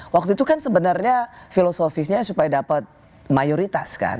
waktu itu kan sebenarnya filosofisnya supaya dapat mayoritas kan